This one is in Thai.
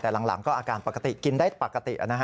แต่หลังก็อาการปกติกินได้ปกติ